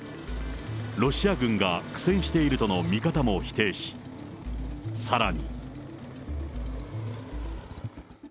ロシア軍が苦戦しているとの見方も否定し、さらに。